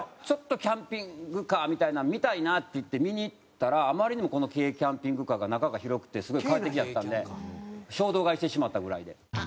キャンピングカーみたいなん見たいなって言って見に行ったらあまりにもこの軽キャンピングカーが中が広くてすごい快適やったんで衝動買いしてしまったぐらいで。